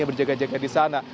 yang berjaga jaga di sana